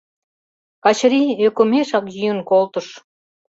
Качырий ӧкымешак йӱын колтыш.